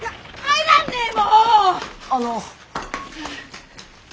あの。